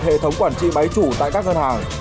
hệ thống quản trị máy chủ tại các ngân hàng